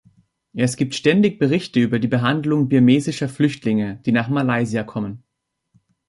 Es gibt ständig Berichte über die Behandlung birmesischer Flüchtlinge, die nach Malaysia kommen.